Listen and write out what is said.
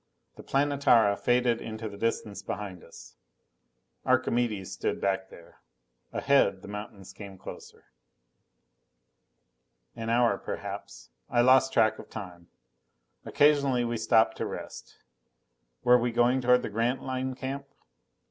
The Planetara faded into the distance behind us. Archimedes stood back there. Ahead, the mountains came closer. An hour perhaps. I lost track of time. Occasionally we stopped to rest. Were we going toward the Grantline camp?